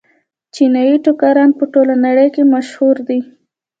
چیني ټوکران په ټوله نړۍ کې مشهور دي.